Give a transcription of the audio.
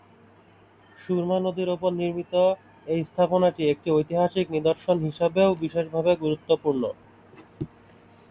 সুরমা নদীর ওপর নির্মিত এই স্থাপনাটি একটি ঐতিহাসিক নিদর্শন হিসাবেও বিশেষভাবে গুরুত্বপূর্ণ।